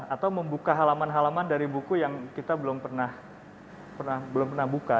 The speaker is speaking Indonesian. atau membuka halaman halaman dari buku yang kita belum pernah buka